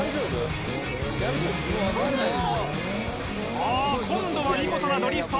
おお今度は見事なドリフト